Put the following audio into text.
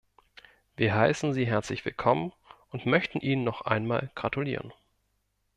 Wir heißen Sie herzlich willkommen und möchten Ihnen noch einmal gratulieren.